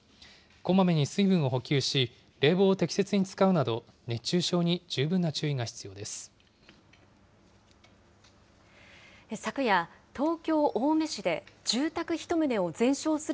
こまめに水分を補給し、冷房を適切に使うなど、熱中症に十分な注意が必要です。